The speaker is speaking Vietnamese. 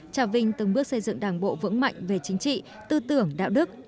trà vinh từng bước xây dựng đảng bộ vững mạnh về chính trị tư tưởng đạo đức